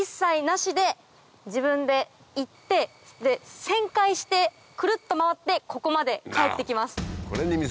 自分で行って旋回してクルっと回ってここまで帰って来ます。